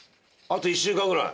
あと１週間ぐらい？